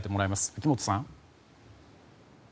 秋本さん。